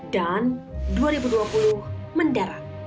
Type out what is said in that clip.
dan dua ribu dua puluh mendarat